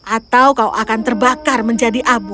atau kau akan terbakar menjadi abu